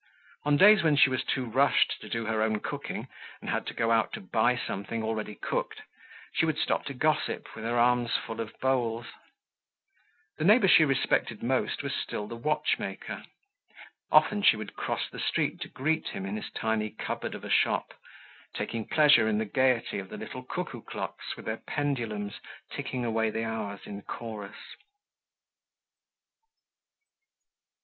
On days when she was too rushed to do her own cooking and had to go out to buy something already cooked, she would stop to gossip with her arms full of bowls. The neighbor she respected the most was still the watchmaker. Often she would cross the street to greet him in his tiny cupboard of a shop, taking pleasure in the gaiety of the little cuckoo clocks with their pendulums ticking away the hours in chorus.